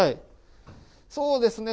そうですね。